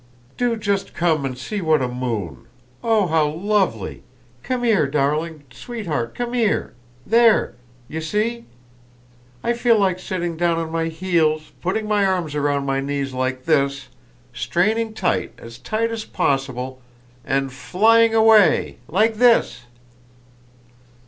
"Do just come and see what a moon!... Oh, how lovely! Come here.... Darling, sweetheart, come here! There, you see? I feel like sitting down on my heels, putting my arms round my knees like this, straining tight, as tight as possible, and flying away! Like this...."